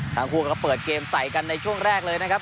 ทั้งคู่ก็เปิดเกมใส่กันในช่วงแรกเลยนะครับ